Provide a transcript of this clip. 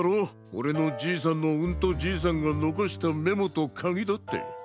オレのじいさんのうんとじいさんがのこしたメモとかぎだって。